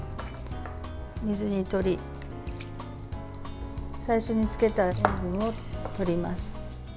水に取り最初につけた塩分を取ります。